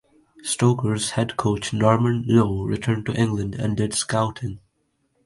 Stokers' head coach Norman Low returned to England and did scouting.